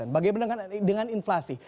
bagaimana dengan inflasi